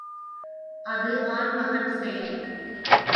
அது ஆண்மகன் செயல்!